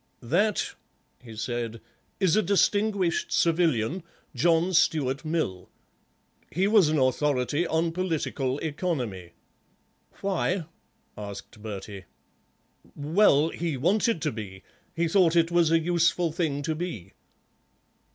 "That," he said, "is a distinguished civilian, John Stuart Mill. He was an authority on political economy." "Why?" asked Bertie. "Well, he wanted to be; he thought it was a useful thing to be."